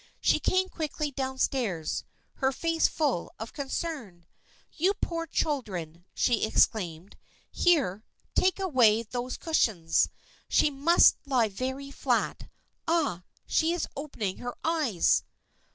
She came quickly down stairs, her face full of concern. " You poor children !" she exclaimed. " Here, take away these cushions. She must lie very flat. Ah, she is opening her eyes."